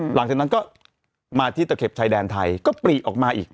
หลังจากนั้นก็มาที่ตะเข็บชายแดนไทยก็ปรีออกมาอีก